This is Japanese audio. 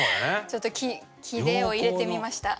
ちょっと切れを入れてみました。